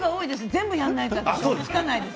全部やらないと追いつかないです。